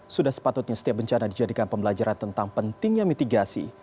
sudah sepatutnya setiap bencana dijadikan pembelajaran tentang pentingnya mitigasi